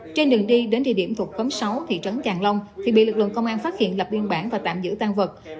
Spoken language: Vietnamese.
trên đường đi đến địa điểm thuộc khóm sáu thị trấn tràng long thì bị lực lượng công an phát hiện lập biên bản và tạm giữ tăng vật